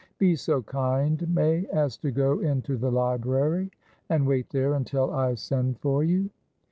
"Be so kind, May, as to go into the library, and wait there until I send for you."